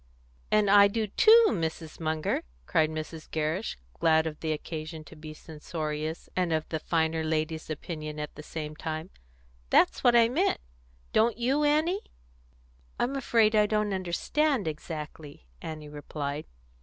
"And I do too, Mrs. Munger!" cried Mrs. Gerrish, glad of the occasion to be censorious and of the finer lady's opinion at the same time. "That's what I meant. Don't you, Annie?" "I'm afraid I don't understand exactly," Annie replied.